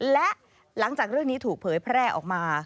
และหลังจากเรื่องนี้ถูกเผยแพร่ออกมา